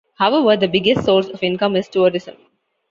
However, the biggest source of income is tourism.